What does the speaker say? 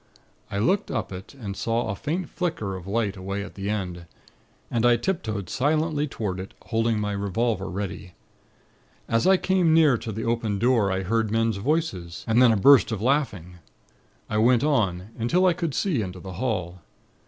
I looked up it, and saw a faint flicker of light away at the end; and I tiptoed silently toward it, holding my revolver ready. As I came near to the open door, I heard men's voices, and then a burst of laughing. I went on, until I could see into the hall.